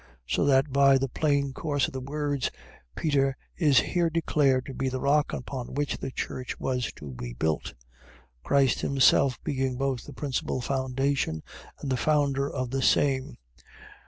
So that, by the plain course of the words, Peter is here declared to be the rock, upon which the church was to be built: Christ himself being both the principal foundation and founder of the same.